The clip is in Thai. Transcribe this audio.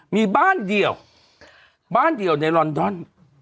มีบ้านเดียวบ้านเดียวในลอนดอน